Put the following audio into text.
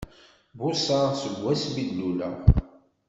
Buṣaɣ seg wasmi i d-luleɣ!